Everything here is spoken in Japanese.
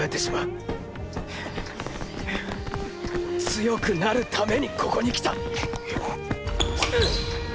強くなるためにここに来たうっ！